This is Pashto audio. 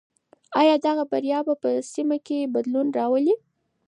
آیا دغه بریا به په سیمه کې بدلون راولي؟